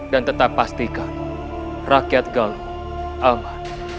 dan tetap pastikan rakyat galung aman